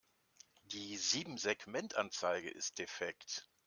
Die Siebensegmentanzeige ist defekt.